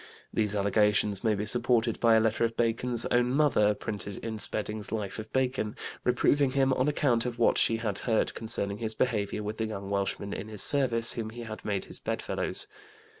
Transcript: These allegations may be supported by a letter of Bacon's own mother (printed in Spedding's Life of Bacon), reproving him on account of what she had heard concerning his behavior with the young Welshmen in his service whom he made his bedfellows.